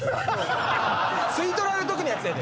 吸い取られるときのやつやで。